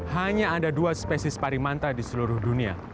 hanya ada dua spesies parimanta di seluruh dunia